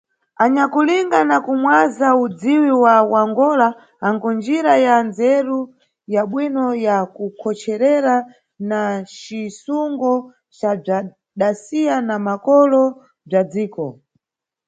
Anyakulinga na kumwaza udziwi wa kuAngola anku ndjira ya ndzeru ya bwino ya kukhocherera na cisungo ca bzwadasiya na makolo bzwa dziko.